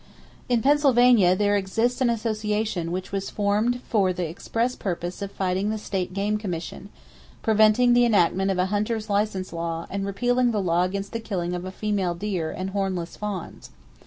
In Pennsylvania, there exists an association which was formed for the [Page 246] express purpose of fighting the State Game Commission, preventing the enactment of a hunter's license law and repealing the law against the killing of female deer and hornless fawns.